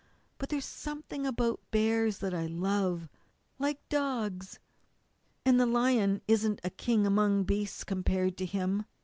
But there's something about bears that I love, like dogs. And the lion isn't a king among beasts compared with him.